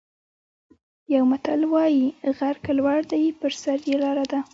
یو متل وايي: غر که لوړ دی په سر یې لاره ده.